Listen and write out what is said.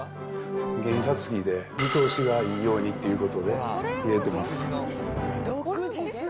ゲン担ぎで見通しがいいようにということで、入れてます